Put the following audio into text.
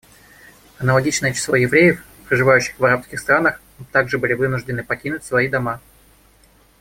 Аналогичное число евреев, проживавших в арабских странах, также были вынуждены покинуть свои дома.